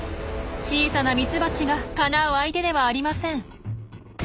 小さなミツバチがかなう相手ではありません。